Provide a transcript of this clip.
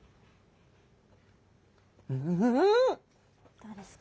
どうですか？